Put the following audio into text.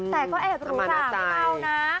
แต่ก็แอบรู้สาวดีกว่านะ